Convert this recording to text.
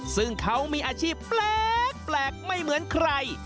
ซึ่งเขามีอาชีพแปลกไม่เหมือนใคร